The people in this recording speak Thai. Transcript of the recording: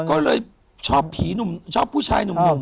ก็เลยชอบผีหนุ่มชอบผู้ชายหนุ่ม